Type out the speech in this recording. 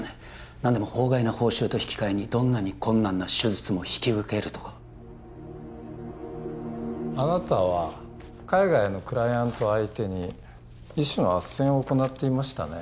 なんでも法外な報酬と引き換えにどんなに困難な手術も引き受けるとかあなたは海外のクライアント相手に医師のあっせんを行っていましたね